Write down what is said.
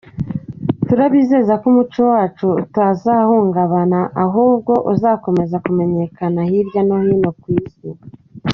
Turabizeza ko umuco wacu utazahungabana ahubwo uzakomeza kumenyekana hirya no hino ku isi”.